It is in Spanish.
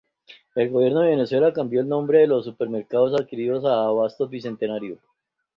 El gobierno de Venezuela cambió el nombre de los supermercados adquiridos a Abastos Bicentenario.